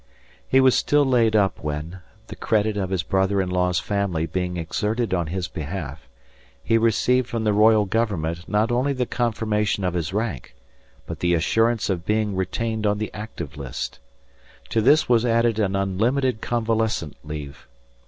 He was still laid up when, the credit of his brother in law's family being exerted on his behalf, he received from the Royal Government not only the confirmation of his rank but the assurance of being retained on the active list. To this was added an unlimited convalescent leave.